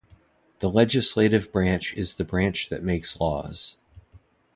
The legislative branch is the branch that makes laws.